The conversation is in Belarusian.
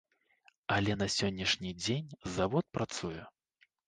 Але на сённяшні дзень завод працуе.